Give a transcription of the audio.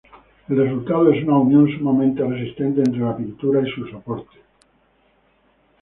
El resultado es una unión sumamente resistente entre la pintura y su soporte.